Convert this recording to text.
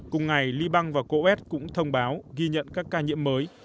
cùng ngày liban và coes cũng thông báo ghi nhận các ca nhiễm mới